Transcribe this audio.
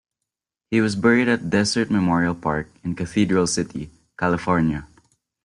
He was buried at Desert Memorial Park in Cathedral City, California.